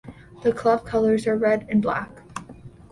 The club colours are red and black.